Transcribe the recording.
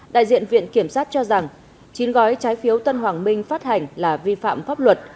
đại diện viện kiểm sát cho rằng chín gói trái phiếu tân hoàng minh phát hành là vi phạm pháp luật